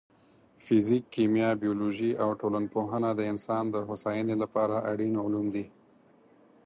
فزیک، کیمیا، بیولوژي او ټولنپوهنه د انسان د هوساینې لپاره اړین علوم دي.